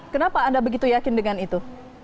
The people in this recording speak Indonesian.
kenapa anda begitu yakin dengan itu